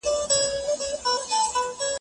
ایا ستاسو پانګه هم بنده ده؟